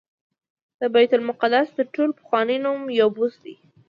د بیت المقدس تر ټولو پخوانی نوم یبوس دی.